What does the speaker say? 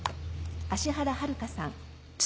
芦原遥香さん。